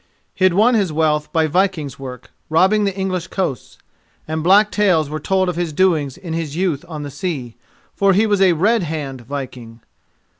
He had won his wealth by viking's work, robbing the English coasts, and black tales were told of his doings in his youth on the sea, for he was a "red hand" viking.